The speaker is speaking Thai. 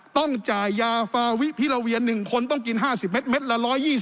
ต้องจ่ายยาฟาวิพิลาเวียน๑คนต้องกิน๕๐เม็ดละ๑๒๐